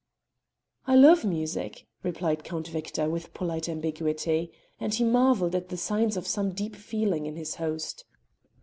"I love all music," replied Count Victor with polite ambiguity, and he marvelled at the signs of some deep feeling in his host.